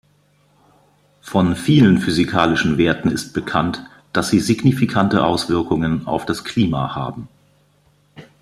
Von vielen physikalischen Werten ist bekannt, dass sie signifikante Auswirkungen auf das Klima haben.